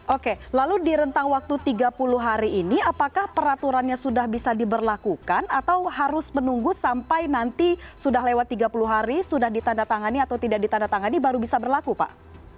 oke lalu di rentang waktu tiga puluh hari ini apakah peraturannya sudah bisa diberlakukan atau harus menunggu sampai nanti sudah lewat tiga puluh hari sudah ditandatangani atau tidak ditandatangani baru bisa berlaku pak